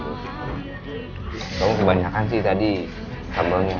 coba kamu kebanyakan sih tadi sambalnya ya